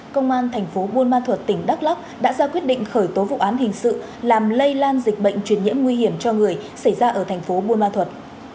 công an tp bunma thuật tỉnh đắk lóc đã ra quyết định khởi tố vụ án hình sự làm lây lan dịch bệnh truyền nhiễm nguy hiểm cho người xảy ra ở tp bunma thuật